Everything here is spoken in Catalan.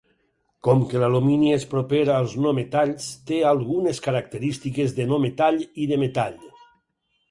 Com que l'alumini és proper als no-metalls, té algunes característiques de no-metall i de metall.